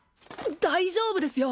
大丈夫ですよ